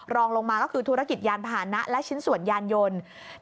รองลงมาก็คือธุรกิจยานพาหนะและชิ้นส่วนยานยนต์